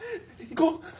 行こう。